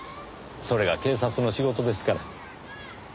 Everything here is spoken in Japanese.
それが警察の仕事ですから。